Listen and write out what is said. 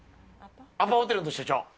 アパホテルの社長。